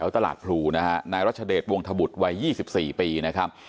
ตลาดพลูนะฮะนายรัชเดชวงธบุตรวัย๒๔ปีนะครับ